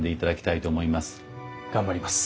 頑張ります。